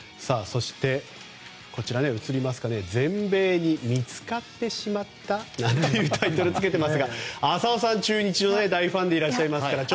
全米に見つかってしまったなんてタイトルですが浅尾さん、中日の大ファンでいらっしゃいますから。